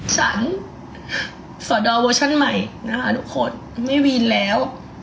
สอดอเวอร์ชั่นใหม่นะคะทุกคนไม่มีวีนแล้ว